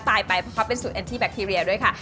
ไปเพราะเขาเป็นสูตรแอนทีแบคทีเรียด้วยค่ะ